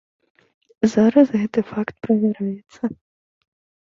Зараз гэты факт правяраецца.